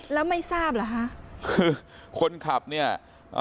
แล้วไม่ทราบเหรอฮะคือคนขับเนี่ยเอ่อ